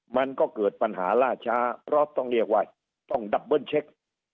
มันก็เกิดปัญหาล่าช้าเพราะต้องเรียกว่าต้องดับเบิ้ลเช็ค